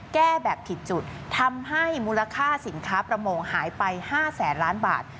แก้แบบผิดจุดทำให้มูลค่าสินค้าประมงหายไป๕แสนล้านบาท